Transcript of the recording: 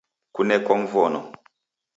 Kunekwa Mvono